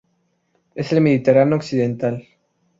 En el Mediterráneo Occidental.